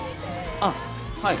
あっはい。